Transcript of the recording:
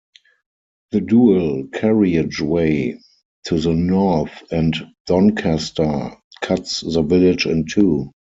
The dual carriageway to the north and Doncaster cuts the village in two.